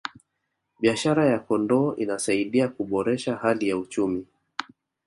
biashara ya kondoo inasaidia kuboresha hali ya uchumi